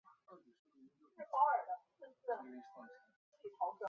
鲤城街道是中国福建省莆田市仙游县下辖的一个街道。